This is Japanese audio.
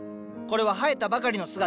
これは生えたばかりの姿。